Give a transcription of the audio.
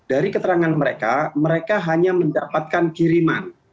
dari keterangan mereka mereka hanya mendapatkan kiriman